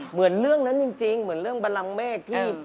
เหมือนเรื่องนั้นจริงเหมือนเรื่องบันลังเมฆที่